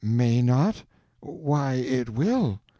"May not? Why, it will."